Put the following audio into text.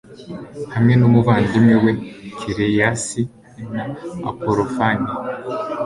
hamwe n'umuvandimwe we kereyasi, na apolofane